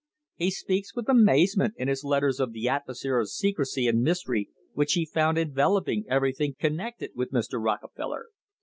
He speaks with amazement in his letters of the atmosphere of secrecy and mystery which he found enveloping everything connected with Mr. Rocke feller.